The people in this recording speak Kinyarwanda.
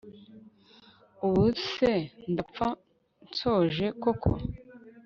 ubuse ndapfa nsoje koko